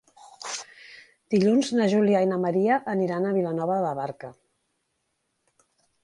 Dilluns na Júlia i na Maria aniran a Vilanova de la Barca.